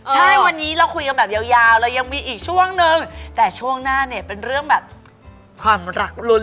ใช่วันนี้เราคุยกันแบบยาวเลยยังมีอีกช่วงนึงแต่ช่วงหน้าเนี่ยเป็นเรื่องแบบความรักรุ้น